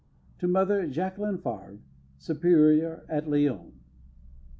_To Mother Jacqueline Favre, Superior at Lyons.